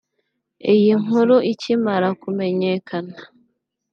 Iyi nkuru ikimara kumenyakana